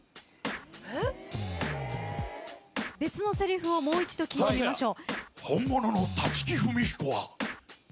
別のせりふをもう一度聴いてみましょう。